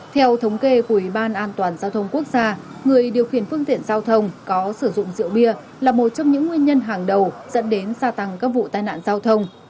theo thống kê của ủy ban an toàn giao thông quốc gia người điều khiển phương tiện giao thông có sử dụng rượu bia là một trong những nguyên nhân hàng đầu dẫn đến gia tăng các vụ tai nạn giao thông